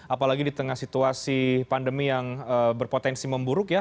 apalagi di tengah situasi pandemi yang berpotensi memburuk ya